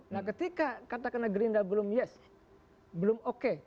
nah ketika katakanlah gerindra belum yes belum oke